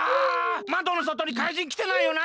まどのそとに怪人きてないよな？